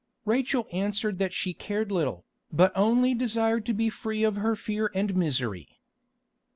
Rachel answered that she cared little, but only desired to be free of her fear and misery.